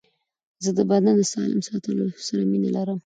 زه د بدن د سالم ساتلو سره مینه لرم.